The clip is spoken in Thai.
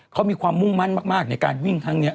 เขามีความมุ่งมั่นมากในการวิ่งครั้งนี้